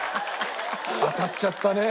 当たっちゃったね。